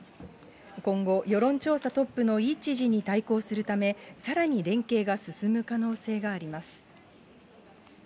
今後、世論調査トップのイ知事に対抗するため、さらに連携が進む可能性があります。